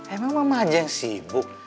emang mama aja yang sibuk